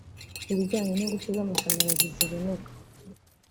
ibijyanye n’ingufu z’amashanyarazi ziboneka